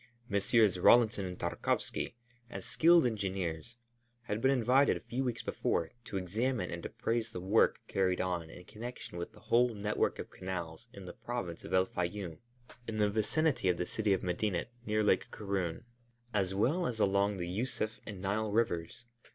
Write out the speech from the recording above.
Messrs. Rawlinson and Tarkowski, as skilled engineers, had been invited a few weeks before, to examine and appraise the work carried on in connection with the whole net work of canals in the Province of El Fayûm, in the vicinity of the city of Medinet near Lake Karûn, as well as along the Yûsuf and Nile rivers.